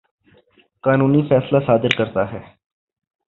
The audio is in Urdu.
قانونی فیصلہ صادر کرتا ہے